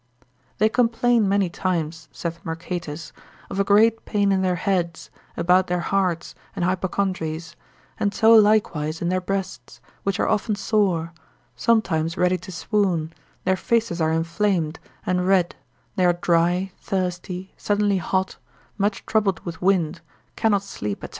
They complain many times, saith Mercatus, of a great pain in their heads, about their hearts, and hypochondries, and so likewise in their breasts, which are often sore, sometimes ready to swoon, their faces are inflamed, and red, they are dry, thirsty, suddenly hot, much troubled with wind, cannot sleep, &c.